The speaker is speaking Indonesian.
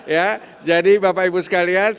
ya jadi bapak ibu sekalian